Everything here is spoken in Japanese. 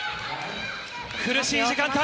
苦しい時間帯。